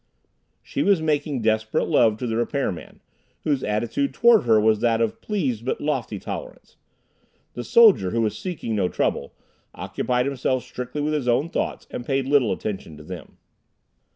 She was making desperate love to the repair man, whose attitude toward her was that of pleased but lofty tolerance. The soldier, who was seeking no trouble, occupied himself strictly with his own thoughts and paid little attention to them.